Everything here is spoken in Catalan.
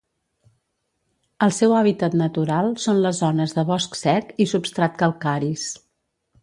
El seu hàbitat natural són les zones de bosc sec i substrat calcaris.